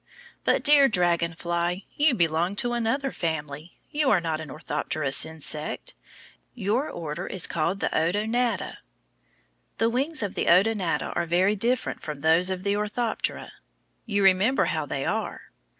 But, dear dragon fly, you belong to another family. You are not an orthopterous insect. Your order is called the ODO NA TA. The wings of the Odonata are very different from those of the Orthoptera. You remember how they are?